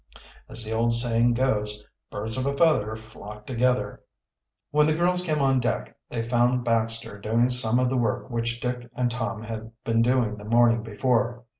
As the old saying goes, "Birds of a feather flock together." When the girls came on deck they found Baxter doing some of the work which Dick and Tom had been doing the morning before.